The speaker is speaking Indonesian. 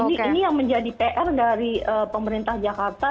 ini yang menjadi pr dari pemerintah jakarta